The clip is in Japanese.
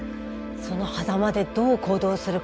そのはざまでどう行動するか。